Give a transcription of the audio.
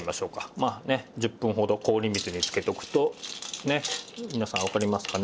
まあね１０分ほど氷水につけておくと皆さんわかりますかね？